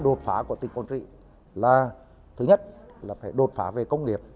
đột phá của tỉnh quảng trị là thứ nhất là phải đột phá về công nghiệp